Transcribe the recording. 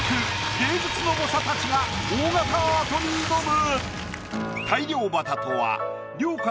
芸術の猛者たちが大型アートに挑む。